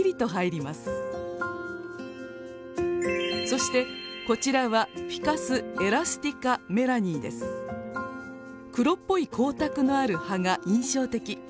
そしてこちらは黒っぽい光沢のある葉が印象的。